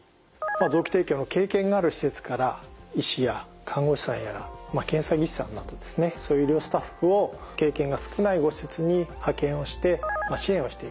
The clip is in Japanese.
臓器提供の経験がある施設から医師や看護師さんやら検査技師さんなどをですねそういう医療スタッフを経験が少ない施設に派遣をして支援をしていると。